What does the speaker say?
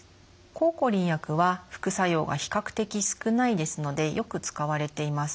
抗コリン薬は副作用が比較的少ないですのでよく使われています。